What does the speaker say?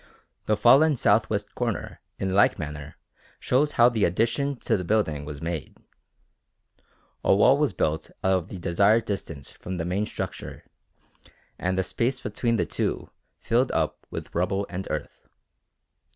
The fallen south west corner in like manner shows how the addition to the building was made. A wall was built out the desired distance from the main structure and the space between the two filled up with rubble and earth.